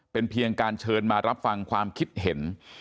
เป็นเพียงการเชิญมารับฟังความคิดเห็น